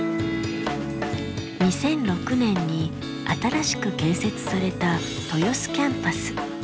２００６年に新しく建設された豊洲キャンパス。